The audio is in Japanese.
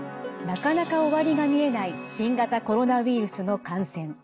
なかなか終わりが見えない新型コロナウイルスの感染。